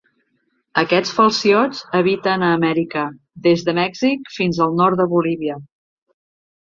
Aquests falciots habiten a Amèrica, des de Mèxic fins al nord de Bolívia.